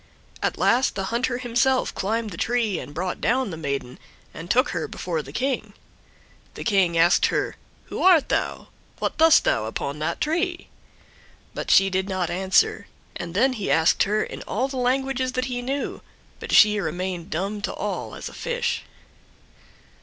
At last the hunter himself climbed the tree and brought down the maiden and took her before the King. The King asked her, "Who art thou? What dost thou upon that tree? But she did not answer, and then he asked her, in all the languages that he knew, but she remained dumb to all, as a fish.